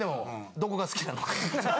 どこが好きなのかって。